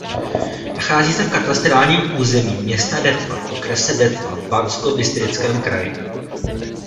Nachází se v katastrálním území města Detva v okrese Detva v Banskobystrickém kraji.